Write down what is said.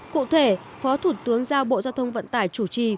cụ thể phó thủ tướng giao bộ giao thông vận tải chủ trì